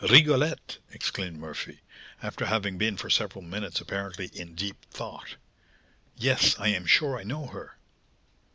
"Rigolette!" exclaimed Murphy, after having been for several minutes apparently in deep thought. "Yes, I am sure I know her."